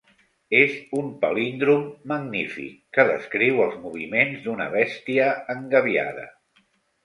És un palíndrom magnífic, que descriu els moviments d'una bèstia engabiada.